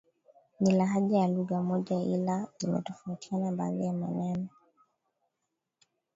Ni lahaja za lugha moja ila zimetofautiana baadhi ya maneno